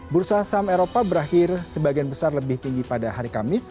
bursa saham eropa berakhir sebagian besar lebih tinggi pada hari kamis